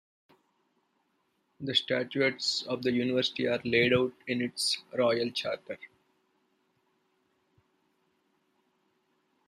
The statutes of the University are laid out in its Royal Charter.